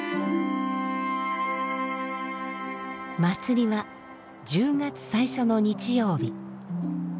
祭りは１０月最初の日曜日。